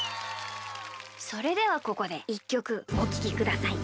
それではここで１きょくおききください。